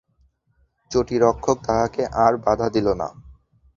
চটি-রক্ষক তাঁহাকে আর বাধা দিল না।